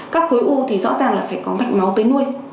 các khối u thì rõ ràng là phải có mạch máu tới nuôi